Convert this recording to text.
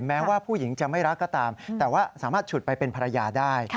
แม้ว่าผู้หญิงจะไม่รักก็ตามแต่ว่าสามารถฉุดไปเป็นภรรยาได้